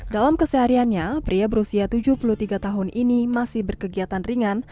dalam kesehariannya pria berusia tujuh puluh tiga tahun ini masih berkegiatan ringan